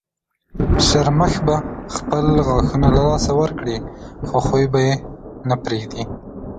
شرمښ به خپل غاښونه له لاسه ورکړي خو خوی به یې نه پرېږدي.